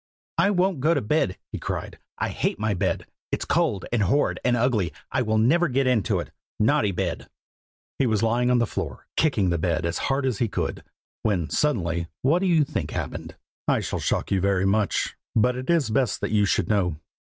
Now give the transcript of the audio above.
'I won't go to bed!' he cried. 'I hate my bed! it's cold, and horrid, and ugly. I will never get into it! naughty bed!' "He was lying on the floor, kicking the bed as hard as he could, when suddenly what do you think happened? I shall shock you very much, but it is best that you should know.